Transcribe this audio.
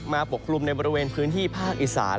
ปกคลุมในบริเวณพื้นที่ภาคอีสาน